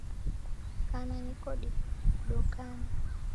Kana niko didokana